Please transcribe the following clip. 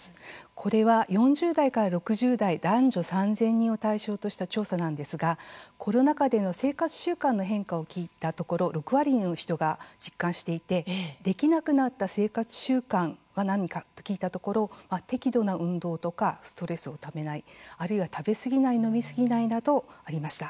これは４０代から６０代男女３０００人を対象とした調査なんですがコロナ禍での生活習慣の変化を聞いたところ６割の人が実感していてできなくなった生活習慣は何か聞いたところ適度な運動、ストレスをためない食べ過ぎない、飲みすぎないなどがありました。